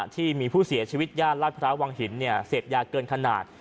ที่มีผู้เสียชีวิตย่านลาดพร้าววังหินเสพยาเกินขนาด